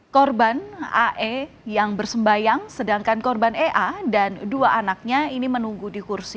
korban ae yang bersembayang sedangkan korban ea dan dua anaknya ini menunggu di kursi